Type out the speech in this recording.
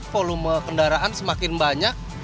volume kendaraan semakin banyak